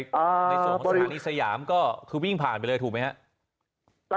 ในส่วนของสถานีสยามก็คือวิ่งผ่านไปเลยถูกไหมครับ